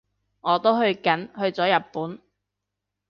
我都去緊，去咗日本